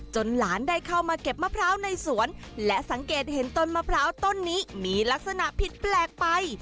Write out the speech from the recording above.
หลานได้เข้ามาเก็บมะพร้าวในสวนและสังเกตเห็นต้นมะพร้าวต้นนี้มีลักษณะผิดแปลกไป